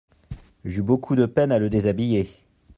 J'eus beaucoup de peine à le déshabiller.